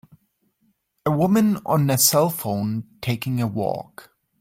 A woman on a cellphone taking a walk.